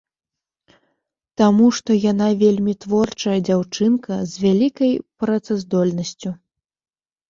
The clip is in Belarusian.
Таму што яна вельмі творчая дзяўчынка, з вялікай працаздольнасцю.